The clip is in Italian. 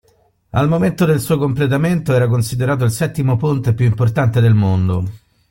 Al momento del suo completamento era considerato il settimo ponte più importante del mondo.